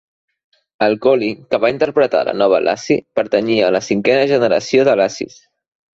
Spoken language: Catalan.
El collie que va interpretar "La nova Lassie" pertanyia a la cinquena generació de Lassies.